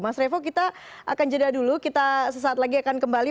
mas revo kita akan jeda dulu kita sesaat lagi akan kembali